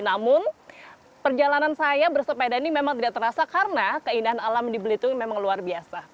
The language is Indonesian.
namun perjalanan saya bersepeda ini memang tidak terasa karena keindahan alam di belitung memang luar biasa